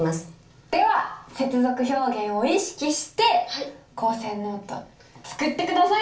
では接続表現を意識して構成ノート作って下さい！